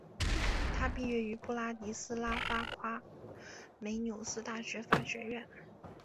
他毕业于布拉迪斯拉发夸美纽斯大学法学院。